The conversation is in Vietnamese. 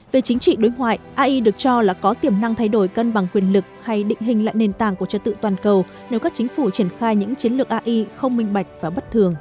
về chính trị đối ngoại a i được cho có tiềm năng thay đổi cân bằng quyền lực hay định hình lại nền tảng của trật tự toàn cầu nếu các chính phủ triển khai những chiến lược a i không minh bạch và bất thường